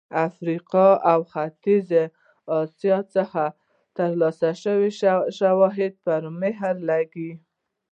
افریقا او ختیځې اسیا څخه ترلاسه شوي شواهد پرې مهر لګوي.